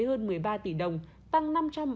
hơn một mươi ba tỷ đồng tăng năm trăm bảy mươi